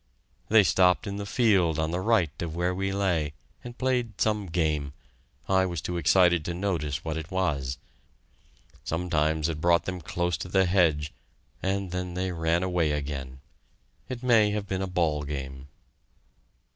They stopped in the field on the right of where we lay, and played some game I was too excited to notice what it was. Sometimes it brought them close to the hedge, and then they ran away again. It may have been a ball game.